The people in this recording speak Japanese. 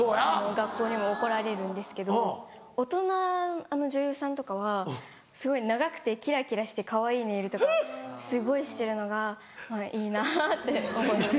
学校にも怒られるんですけど大人女優さんとかはすごい長くてキラキラしてかわいいネイルとかすごいしてるのがいいなって思います。